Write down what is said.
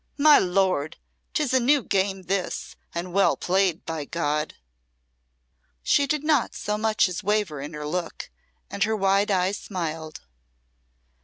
"'My lord!' 'Tis a new game this, and well played, by God!" She did not so much as waver in her look, and her wide eyes smiled.